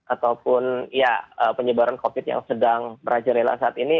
ataupun ya penyebaran covid yang sedang meraja rela saat ini